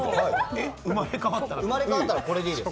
生まれ変わったらこれでいいです。